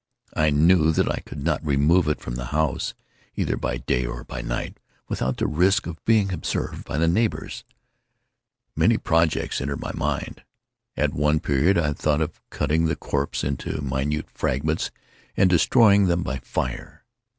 I knew that I could not remove it from the house, either by day or by night, without the risk of being observed by the neighbors. Many projects entered my mind. At one period I thought of cutting the corpse into minute fragments, and destroying them by fire.